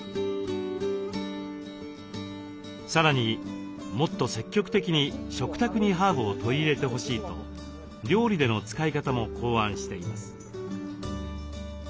さらにもっと積極的に食卓にハーブを取り入れてほしいと料理での使い方も考案しています。